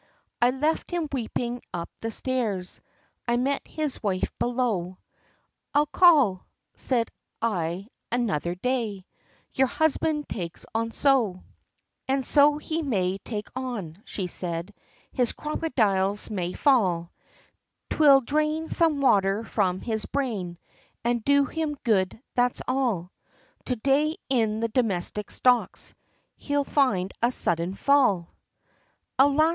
I left him weeping up the stairs, I met his wife below, "I'll call," said I "another day, Your husband takes on so," "And so he may take on," she said, "His crocodiles may fall, 'Twill drain some water from his brain, And do him good, that's all, To day in the domestic stocks, He'll find a sudden fall!" Alas!